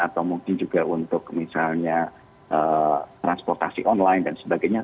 atau mungkin juga untuk misalnya transportasi online dan sebagainya